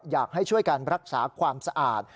อยากให้ช่วยกันรักษาความสะอาด